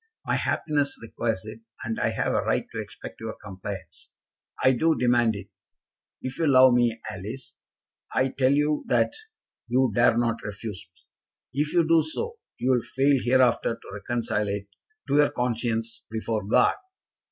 My happiness requires it, and I have a right to expect your compliance. I do demand it. If you love me, Alice, I tell you that you dare not refuse me. If you do so, you will fail hereafter to reconcile it to your conscience before God."